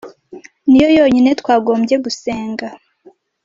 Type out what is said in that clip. ni yo yonyine twagombye gusenga